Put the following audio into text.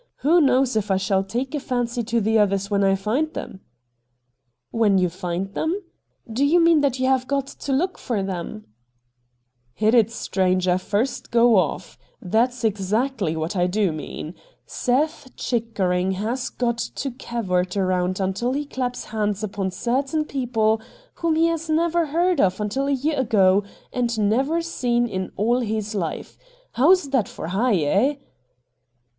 Who knows if I shall take a fancy to the others when I find them ?'' When you find them P Do you mean that you have got to look for them ?'' Hit it, stranger, first go off. That's exactly what I do mean. Seth Chickering has got to cavort around until he claps hands upon certain people whom he has never heard of until a year ago and never seen in all his life. How's that for high, eh